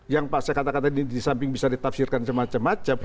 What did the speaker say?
yang saya kata kata disamping bisa ditafsirkan macam macam